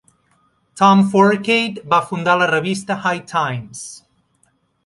Tom Forcade va fundar la revista "High Times".